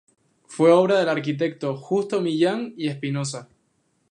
Fue obra del arquitecto Justo Millán y Espinosa.